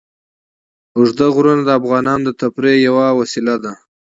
اوږده غرونه د افغانانو د تفریح یوه وسیله ده.